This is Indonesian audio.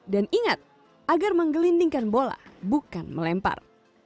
dan ingat agar menggelindingkan bola bukan melempar